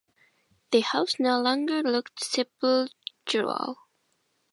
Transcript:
The house no longer looked sepulchral.